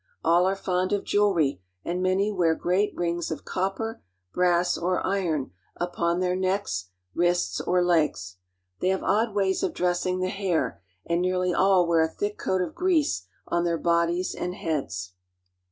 All are fond of jewelry, and many wear great! ^^^Kings of copper, brass, or iron upon their necks, wrists, or I ^^^pegs. They have odd ways of dressing the hair, and nearly! ^^^kll wear a thick coat of grease on their bodies and heads.